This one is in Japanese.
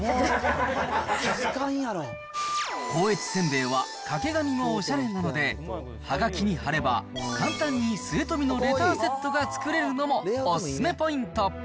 光悦煎餅は、掛け紙もおしゃれなので、はがきに貼れば簡単に末富のレターセットが作れるのもお勧めポイ